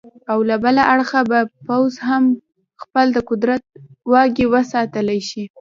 او له بله اړخه به پوځ هم خپل د قدرت واګې وساتلې شي.